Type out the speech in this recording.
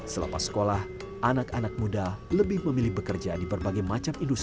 selepas sekolah anak anak muda lebih memilih bekerja di berbagai macam industri